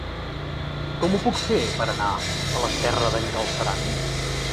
Com ho puc fer per anar a la Serra d'en Galceran?